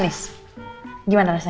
aku juga suka kelapa